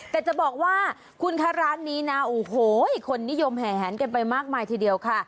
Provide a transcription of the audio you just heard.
แต่จะบอกว่าคุณคะร้านนี้นะโอ้โหคนนิยมแห่แหนกันไปมากมายทีเดียวค่ะ